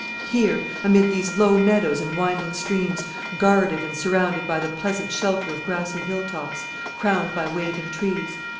here, amid these low meadows and winding streams, guarded and surrounded by the pleasant shelter of grassy hill tops, crowned by waving trees?